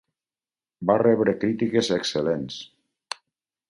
Va rebre crítiques excel·lents.